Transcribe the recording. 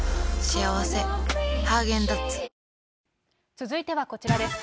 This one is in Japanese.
続いてはこちらです。